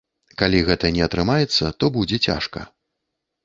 Калі гэта не атрымаецца, то будзе цяжка.